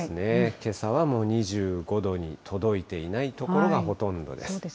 けさはもう２５度に届いていない所がほとんどです。